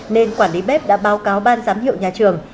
nên quản lý bếp đã báo cáo ban giám hiệu nhà trường